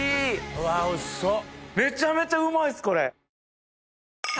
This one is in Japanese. うわおいしそう！